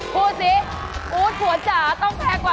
พูดสิอู๊ดผัวจ๋าต้องแพงกว่า